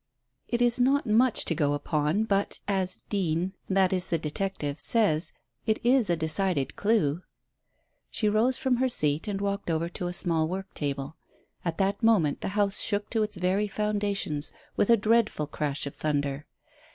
"It is not much to go upon, but, as Deane, that is the detective, says, it is a decided clue." She rose from her seat and walked over to a small work table. At that moment the house shook to its very foundations with a dreadful crash of thunder.